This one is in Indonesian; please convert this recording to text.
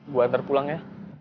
gue terpulang ya